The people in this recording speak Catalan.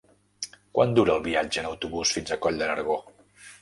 Quant dura el viatge en autobús fins a Coll de Nargó?